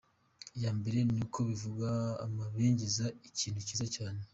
Iya mbere ni uko bivuga amabengeza, ikintu cyiza cyane.